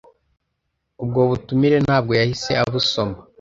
Ubwo butumire nabwo yahise abusoma.